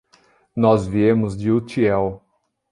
Nós viemos de Utiel.